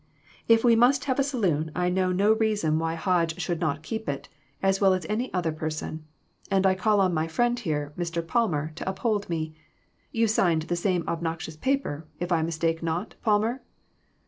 If we must have a saloon I know no reason 324 EMBARRASSING QUESTIONS. why Hodge should not keep it, as well as any other person. And I call on my friend here, Mr. Palmer, to uphold me. You signed the same obnoxious paper, if I mistake not, Palmer